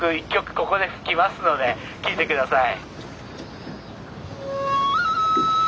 ここで吹きますので聴いて下さい。